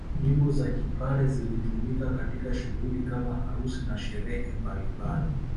Nyimbo za kipare zilitumika katika shughuli kama harusi na sherehe mbalimbali